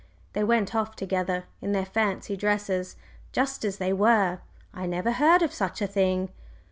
They went off together, in their fancy dresses, just as they were! I never heard of such a thing!"